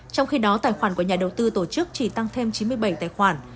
trong khi đó tài khoản của nhà đầu tư tổ chức chỉ tăng thêm chín mươi bảy tài khoản